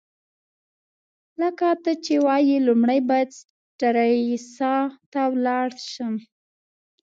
لکه ته چي وايې، لومړی باید سټریسا ته ولاړ شم.